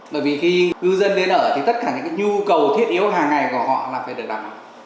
bởi vì khi cư dân đến ở thì tất cả những nhu cầu thiết yếu hàng ngày của họ là phải được đặt